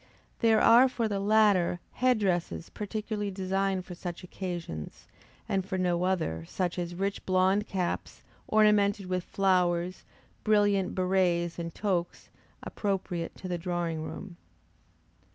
There are for the latter, head dresses particularly designed for such occasions, and for no other, such as rich blond caps, ornamented with flowers, brilliant berrets and toques, appropriate to the drawing room.